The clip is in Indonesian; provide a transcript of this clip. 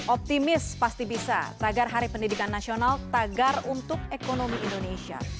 optimis pasti bisa tagar hari pendidikan nasional tagar untuk ekonomi indonesia